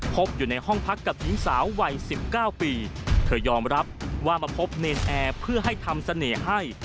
พบอยู่ในห้องพักกับหญิงสาววัย๑๙ปีเธอยอมรับว่ามาพบเนรนแอร์เพื่อให้ทำเสน่ห์ให้